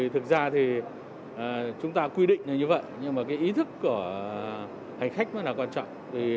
thực ra thì chúng ta quy định là như vậy nhưng mà cái ý thức của hành khách vẫn là quan trọng